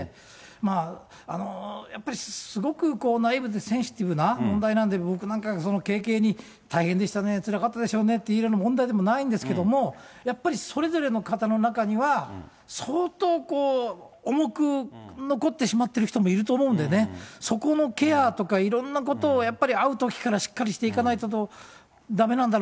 まあ、やっぱりすごくこう、ナイーブでセンシティブな問題なので、僕なんかが軽々に大変でしたね、つらかったでしょうねって言える問題でもないんですけど、やっぱりそれぞれの方の中には、相当重く残ってしまっている人もいると思うんでね、そこのケアとか、いろんなことをやっぱり会うときからしっかりしていかないとだめ